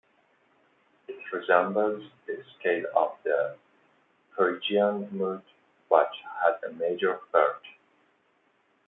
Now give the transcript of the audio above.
It resembles the scale of the Phrygian mode but has a major third.